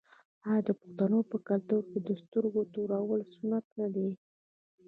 آیا د پښتنو په کلتور کې د سترګو تورول سنت نه دي؟